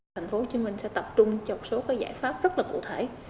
tp hcm sẽ tập trung trong số giải pháp rất cụ thể